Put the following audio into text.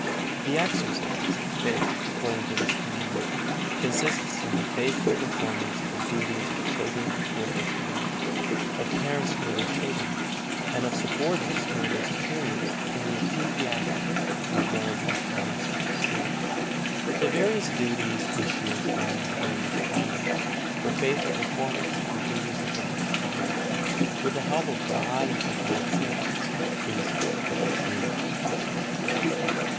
The exercise of faith, according to this Commandment, consists in the faithful performance of the duties of children toward their parents, of parents toward their children, and of subordinates toward their superiors in the ecclesiastical as well as in the common civil sphere. The various duties issue from the various callings, for faithful performance of the duties of one's calling, with the help of God and for God's sake, is the true "good work."